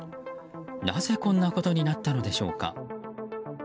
なぜ、こんなことになったのでしょうか。